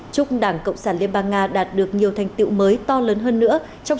chúc đảng cộng sản liên bang nga đạt được nhiều thành tiệu mới to lớn hơn nữa trong